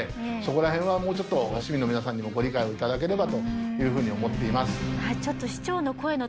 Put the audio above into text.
もうちょっと市民の皆さんにもご理解をいただければというふうに思っています